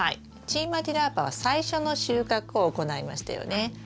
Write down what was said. チーマ・ディ・ラーパは最初の収穫を行いましたよね。